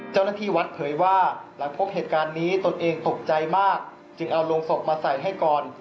เจ้าหน้าที่วัดเผยว่าหลังพบเหตุการณ์นี้ตนเองตกใจมากจึงเอาโรงศพมาใส่ให้ก่อน